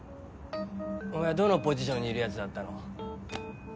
お前はどのポジションにいるやつだったの？